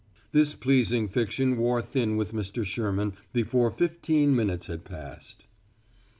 This pleasing fiction wore thin with Mr. Sherman before fifteen minutes had passed.